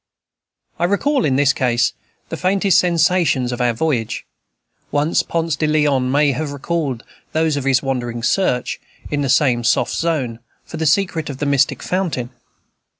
I recall, in this case, the faintest sensations of our voyage, as Ponce de Leon may have recalled those of his wandering search, in the same soft zone, for the secret of the mystic fountain.